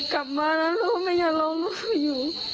กลับมานะรู้ไหมอย่าร้องพ่อนโอลู๊อยู่